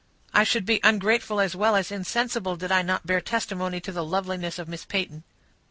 "I should be ungrateful as well as insensible, did I not bear testimony to the loveliness of Miss Peyton."